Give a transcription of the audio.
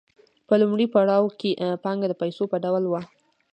په لومړي پړاو کې پانګه د پیسو په ډول وه